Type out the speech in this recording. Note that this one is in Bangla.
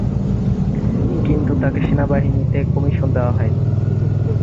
কিন্তু তাকে সেনাবাহিনীতে কমিশন দেওয়া হয়নি।